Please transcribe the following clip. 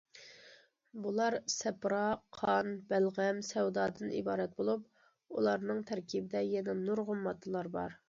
بۇلار سەپرا، قان، بەلغەم، سەۋدادىن ئىبارەت بولۇپ، ئۇلارنىڭ تەركىبىدە يەنە نۇرغۇن ماددىلار بار.